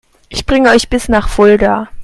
Ich bringe euch bis nach Fulda